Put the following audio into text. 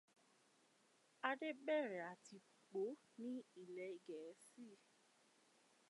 Adé bẹ̀rẹ̀ àtìpó ní ilẹ̀ Gẹ̀ẹ́sì.